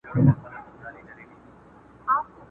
کلونه کیږي د ځنګله پر څنډه٫